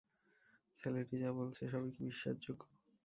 ছেলেটি যা বলছে, সবই কি বিশ্বাসযোগ্য?